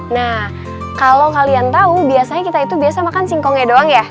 nah kalau kalian tahu biasanya kita itu biasa makan singkongnya doang ya